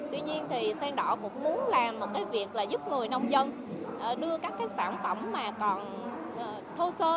tuy nhiên thì sen đỏ cũng muốn làm một cái việc là giúp người nông dân đưa các cái sản phẩm mà còn thô sơ